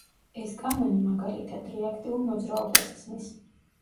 ეს კანონი, მაგალითად, რეაქტიულ მოძრაობას ხსნის.